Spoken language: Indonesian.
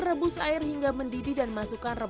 rebus air hingga mendidih dan masukkan ke dalam air garam